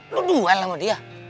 lu duel sama dia